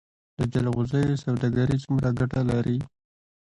د جلغوزیو سوداګري څومره ګټه لري؟